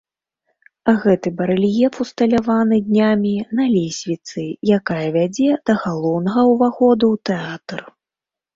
Гэты барэльеф усталяваны днямі на лесвіцы, якая вядзе да галоўнага ўваходу ў тэатр.